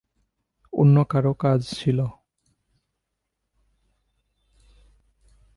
অন্যকারো কাজ ছিল।